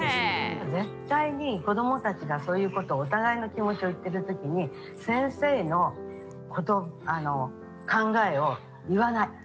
絶対に子どもたちがそういうことをお互いの気持ちを言ってる時に先生の考えを言わない。